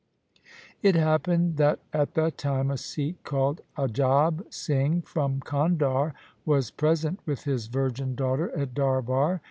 It happened that at that time a Sikh called Ajab Singh from Kandhar was present with his virgin daughter in darbar.